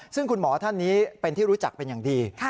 ซึ่งคุณหมอท่านนี้เป็นที่รู้จักเป็นอย่างดี